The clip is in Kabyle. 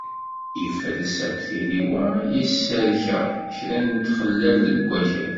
Ifres akk tiriwa, yesserka kra n txellal deg wakal.